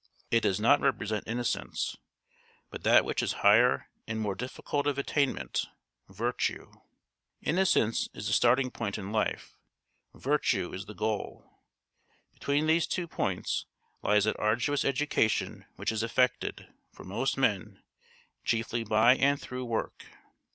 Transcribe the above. It does not represent innocence, but that which is higher and more difficult of attainment, virtue. Innocence is the starting point in life; virtue is the goal. Between these two points lies that arduous education which is effected, for most men, chiefly by and through work.